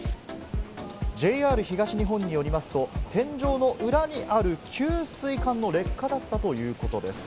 ＪＲ東日本によりますと、天井の裏にある給水管の劣化だったということです。